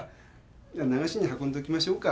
じゃあ流しに運んでおきましょうか？